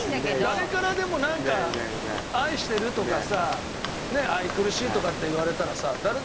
誰からでもなんか愛してるとかさ愛くるしいとかって言われたらさ。